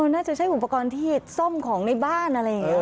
น่าจะใช้อุปกรณ์ที่ส้มของในบ้าน